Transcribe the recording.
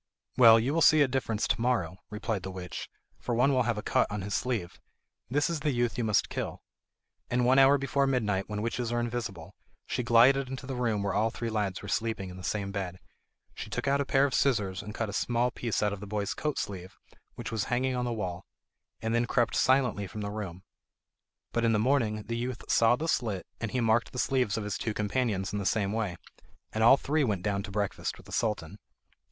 "Well, you will see a difference to morrow," replied the witch, "for one will have a cut on his sleeve. That is the youth you must kill." And one hour before midnight, when witches are invisible, she glided into the room where all three lads were sleeping in the same bed. She took out a pair of scissors and cut a small piece out of the boy's coat sleeve which was hanging on the wall, and then crept silently from the room. But in the morning the youth saw the slit, and he marked the sleeves of his two companions in the same way, and all three went down to breakfast with the Sultan.